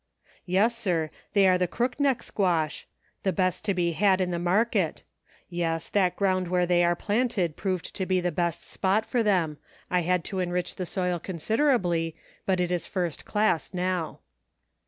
" "Yes, sir, they are the crook neck squash, the best to be had in the mar ket ; yes, that ground where they are planted proved to be the best spot for them ; I had to en rich the soil considerably, but it is first class now."